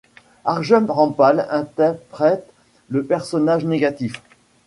Arjun Rampal interprète le personnage négatif.